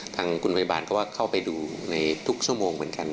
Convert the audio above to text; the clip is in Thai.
ทางคุณพยาบาลก็เข้าไปดูในทุกชั่วโมงเหมือนกัน